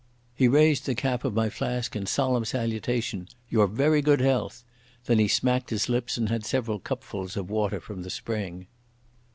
He raised the cap of my flask in solemn salutation. "Your very good health." Then he smacked his lips, and had several cupfuls of water from the spring.